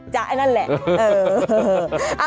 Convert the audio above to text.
จะนั่นแหละ